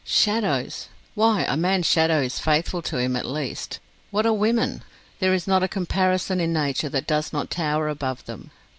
Shadows? Why, a man's shadow is faithful to him at least. What are women? There is not a comparison in nature that does not tower above them!